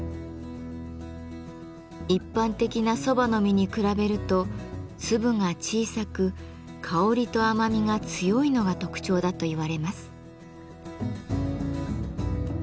一般的な蕎麦の実に比べると粒が小さく香りと甘みが強いのが特徴だといわれます。